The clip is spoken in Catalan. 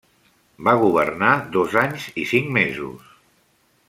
Va governar dos anys i cinc mesos.